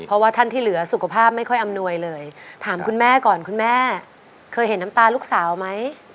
เพราะว่าท่านที่เหลือสุขภาพไม่ค่อยอำนวยเลยถามคุณแม่ก่อนคุณแม่เคยเห็นน้ำตาลูกสาวไหม